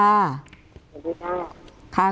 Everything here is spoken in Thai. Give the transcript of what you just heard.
สวัสดีค่ะ